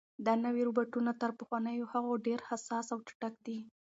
دا نوي روبوټونه تر پخوانیو هغو ډېر حساس او چټک دي.